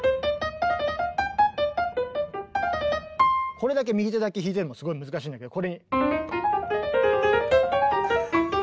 これだけ右手だけ弾いててもすごい難しいんだけどこれに。